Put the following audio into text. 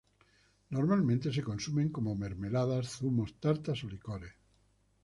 Normalmente se consumen como mermeladas, zumos, tartas o licores.